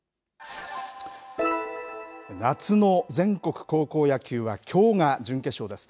夏の全国高校野球は、きょうが準決勝です。